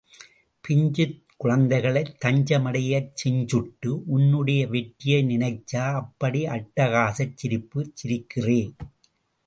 பிஞ்சுக் குழந்தைகளைத் தஞ்சம் அடையச் செஞ்சுட்ட, உன்னுடைய வெற்றியை நினைச்சா அப்படி அட்டகாசச் சிரிப்புச் சிரிக்கிறே?